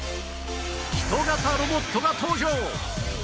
人型ロボットが登場！